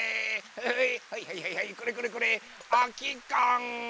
はいはいはいはいはいこれこれこれあきかん。